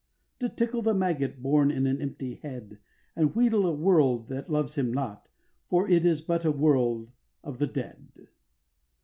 To tickle the maggot born in an empty head, And wheedle a world that loves him not. For it is but a world of the dead.